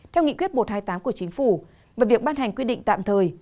theo nghị quyết một trăm hai mươi tám của chính phủ và việc ban hành quy định tạm thời